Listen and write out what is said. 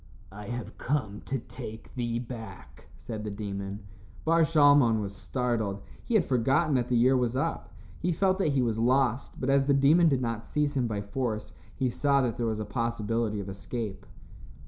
"I have come to take thee back," said the demon. Bar Shalmon was startled. He had forgotten that the year was up. He felt that he was lost, but as the demon did not seize him by force, he saw that there was a possibility of escape.